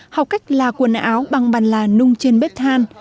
học cách la quần áo bằng bàn là nung trên bếp than